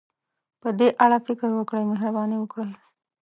په دې اړه فکر وکړئ، مهرباني وکړئ.